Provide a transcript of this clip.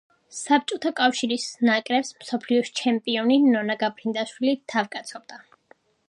საბჭოთა კავშირის ნაკრებს მსოფლიოს ჩემპიონი, ნონა გაფრინდაშვილი თავკაცობდა.